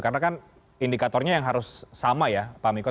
karena kan indikatornya yang harus sama ya pak miko